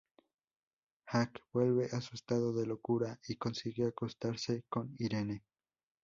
Hank vuelve a su estado de locura y consigue acostarse con Irene.